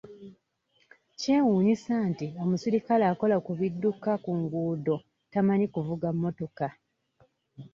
Kyewuunyisa nti omuserikale akola ku bidduka ku nguudo tamanyi kuvuga mmotoka!